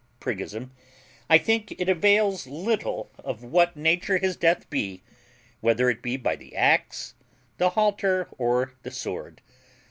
priggism), I think it avails little of what nature his death be, whether it be by the axe, the halter, or the sword.